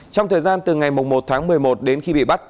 trong thời gian từ ngày một tháng một mươi một đến khi bị bắt